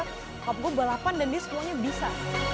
cop gue balapan dan dia semuanya bisa